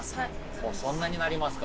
もうそんなになりますか。